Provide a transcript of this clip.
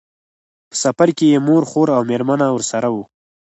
په سفر کې یې مور، خور او مېرمنه ورسره وو.